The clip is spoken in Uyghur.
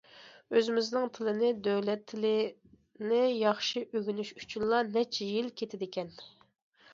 ئۆزىمىزنىڭ تىلىنى، دۆلەت تىلىنى ياخشى ئۆگىنىش ئۈچۈنلا نەچچە يىل كېتىدىكەن.